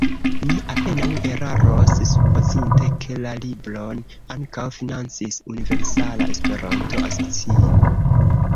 Ni apenaŭ eraros, supozinte ke la libron ankaŭ financis Universala Esperanto Asocio.